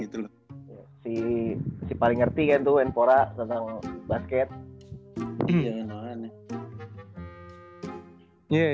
si paling ngerti kan tuh menpora tentang basket